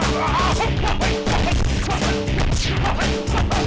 mbak tenang ya mbak